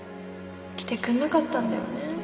来てくんなかったんだよね